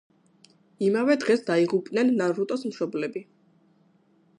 იმავე დღეს დაიღუპნენ ნარუტოს მშობლები.